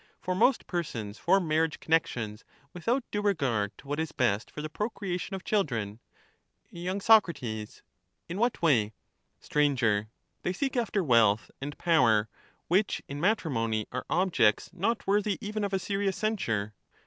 For most persons form marriage connexions without due regard to what is best for the procreation of children. Y. Soc. In what way ? Str. They seek after wealth and power, which in matri mony are objects not worthy even of a serious censure.